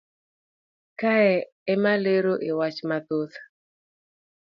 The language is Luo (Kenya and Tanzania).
kae emalero e wach mathoth